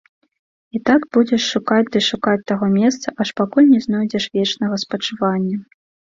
І так будзеш шукаць ды шукаць таго месца, аж пакуль не знойдзеш вечнага спачывання.